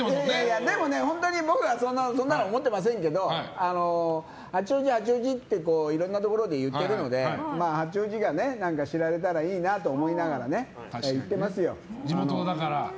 でも僕はそんなの思っていませんけど八王子、八王子っていろんなところで言ってるので八王子が知られたらいいなと思いながら地元だから？